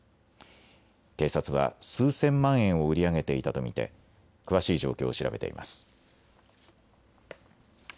警察は数千万円を売り上げていたと見て詳しい状況を調べています。